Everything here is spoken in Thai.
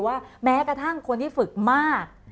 แม้กระทั่งคนที่ฝึกมาก